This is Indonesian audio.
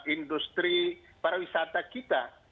industri para wisata kita